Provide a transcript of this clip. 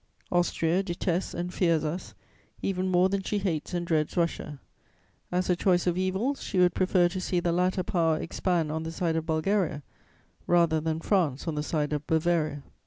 Austria detests and fears us, even more than she hates and dreads Russia; as a choice of evils, she would prefer to see the latter Power expand on the side of Bulgaria rather than France on the side of Bavaria.